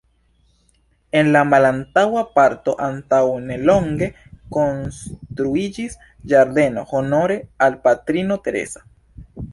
En la malantaŭa parto antaŭnelonge konstruiĝis ĝardeno honore al Patrino Teresa.